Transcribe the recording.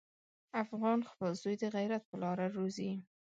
افغان خپل زوی د غیرت په لاره روزي.